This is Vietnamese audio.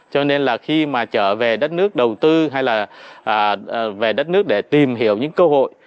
cho nên là khi mà trở về đất nước đầu tư hay là về đất nước để tìm hiểu những cơ hội